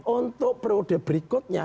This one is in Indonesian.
untuk periode berikutnya